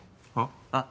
あっ。